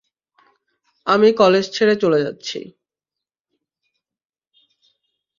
আমি কলেজ ছেড়ে চলে যাচ্ছি।